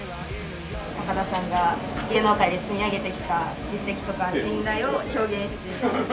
高田さんが芸能界で積み上げてきた実績とか信頼を表現して。